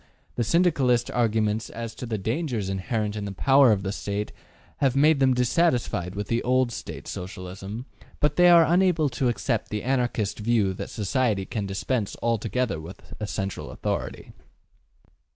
The Syndicalist arguments as to the dangers inherent in the power of the State have made them dissatisfied with the old State Socialism, but they are unable to accept the Anarchist view that society can dispense altogether with a central authority.